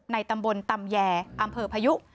ตำบลตำแยอำเภอพายุ